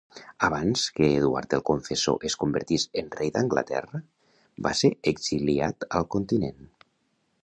Abans que Eduard el Confessor es convertís en rei d'Anglaterra, va ser exiliat al continent.